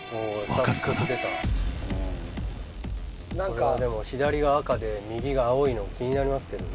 これはでも左が赤で右が青いのが気になりますけどね